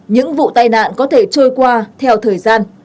những vụ tai nạn có thể trôi qua theo thời gian